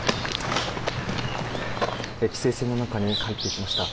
規制線の中に入っていきました。